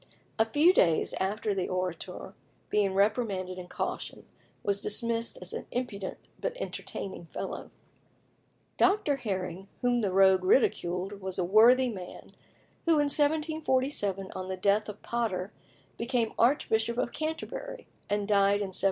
A few days after the Orator, being reprimanded and cautioned, was dismissed as an impudent but entertaining fellow. Dr. Herring whom the rogue ridiculed was a worthy man, who in 1747, on the death of Potter, became Archbishop of Canterbury, and died in 1757.